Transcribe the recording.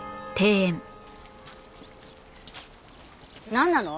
なんなの？